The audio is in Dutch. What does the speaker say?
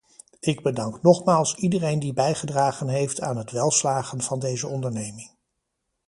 Ik bedank nogmaals iedereen die bijgedragen heeft aan het welslagen van deze onderneming.